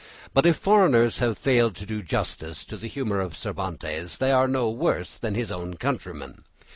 But if foreigners have failed to do justice to the humour of Cervantes, they are no worse than his own countrymen.